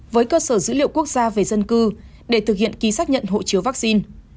với cơ sở dữ liệu quốc gia về dân cư để thực hiện ký xác nhận hộ chiếu vaccine